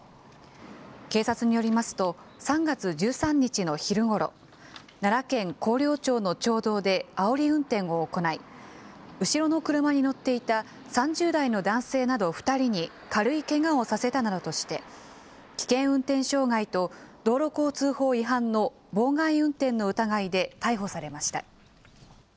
警察によりますと、３月１３日の昼ごろ、奈良県広陵町の町道であおり運転を行い、後ろの車に乗っていた３０代の男性など２人に軽いけがをさせたなどとして、危険運転傷害と、道路交通法違反の妨害運転の疑いで逮捕されました。